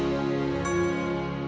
terima kasih pak